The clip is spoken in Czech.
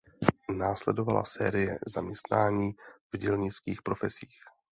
Následovala série zaměstnání v dělnických profesích.